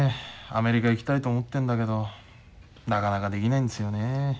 アメリカ行きたいと思ってんだけどなかなかできないんですよねえ。